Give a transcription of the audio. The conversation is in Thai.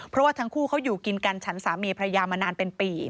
เพราะว่าทั้งคู่เขาอยู่กินกันฉันสามีพระยามานานเป็นปี